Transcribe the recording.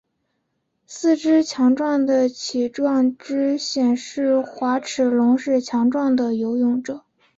四个强壮的鳍状肢显示滑齿龙是强壮的游泳者。